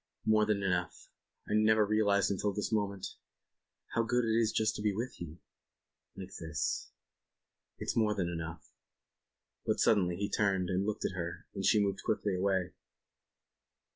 "More than enough. I never realized until this moment ..." "How good it is just to be with you. ..." "Like this. ..." "It's more than enough." But suddenly he turned and looked at her and she moved quickly away.